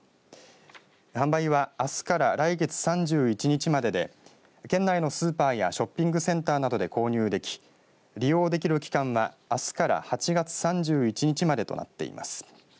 販売はあすから来月３１日までで県内のスーパーやショッピングセンターなどで購入でき利用できる期間は、あすから８月３１日までとなっています。